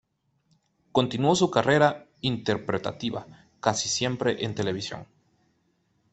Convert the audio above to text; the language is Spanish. Continuó su carrera interpretativa, casi siempre en televisión.